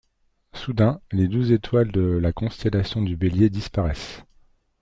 Soudain, les douze étoiles de la constellation du Bélier disparaissent.